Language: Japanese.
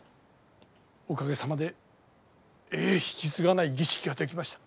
おかげさまでええ引き継がない儀式ができました。